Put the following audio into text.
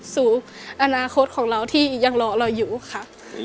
สู่อนาคตของเราที่ยังรอเราอยู่ค่ะ